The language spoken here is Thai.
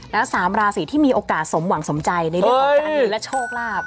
แล้ว๓ราศีที่มีโอกาสสมหวังสมใจในเรื่องของการเงินและโชคลาภ